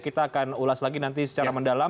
kita akan ulas lagi nanti secara mendalam